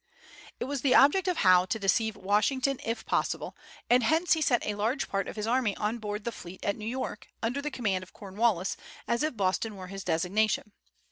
It was the object of Howe to deceive Washington, if possible, and hence he sent a large part of his army on board the fleet at New York, under the command of Cornwallis, as if Boston were his destination.